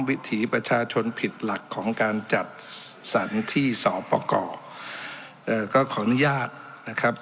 วิถีประชาชนผิดหลักของการจัดสรรที่สอปกรเอ่อก็ขออนุญาตนะครับ